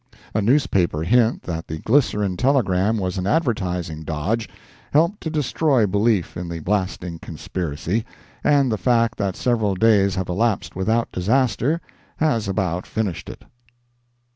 A newspaper hint that the glycerine telegram was an advertising dodge, helped to destroy belief in the blasting conspiracy, and the fact that several days have elapsed without disaster, has about finished it.